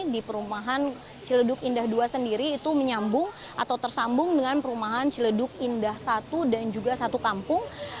di perumahan ciledug indah dua sendiri itu menyambung atau tersambung dengan perumahan ciledug indah satu dan juga satu kampung